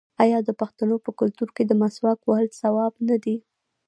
آیا د پښتنو په کلتور کې د مسواک وهل ثواب نه دی؟